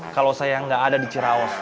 kalau saya nggak ada di cirawas